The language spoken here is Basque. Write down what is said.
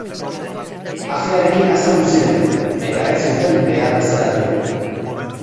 Ajearekin azaldu ziren eta ez zuten behar bezala jo.